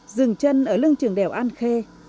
dừng chân ở lưng trường đèo an khê